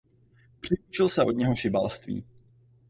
Přiučil se od něho šibalství.